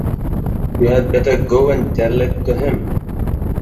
You had better go and tell it to him.